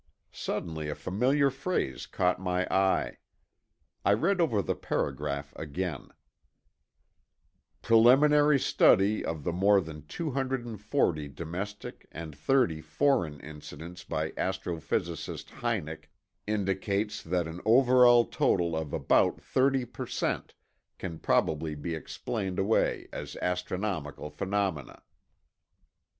Suddenly a familiar phrase caught my eye. I read over the paragraph again: "Preliminary study of the more than 240 domestic and thirty foreign incidents by Astro Physicist Hynek indicates that an over all total of about 30% can probably be explained away as astronomical phenomena."